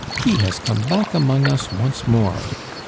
He has come back among us once more!